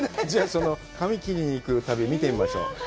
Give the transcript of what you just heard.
じゃあその髪切りに行く旅見てみましょう。